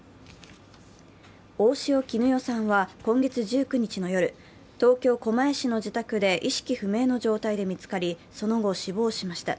大塩衣依さんは今月１９日の夜、東京・狛江市の自宅で意識不明の状態で見つかり、その後、死亡しました。